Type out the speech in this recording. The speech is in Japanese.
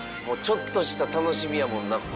もうちょっとした楽しみやもんな。